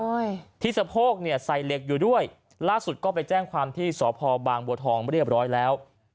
ที่สะโพกเนี่ยใส่เหล็กอยู่ด้วยล่าสุดก็ไปแจ้งความที่สพบางบัวทองเรียบร้อยแล้ว